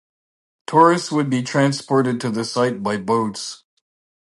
Tourists would be transported to the site by boats.